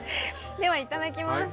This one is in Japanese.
ではいただきます。